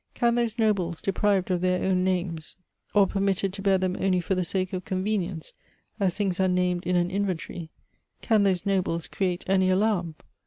Can those nobles, deprived of their own nam^s, or permitted to bear them only for the sake of convenience, as things are named in an inventory, — can those nobles create any alarm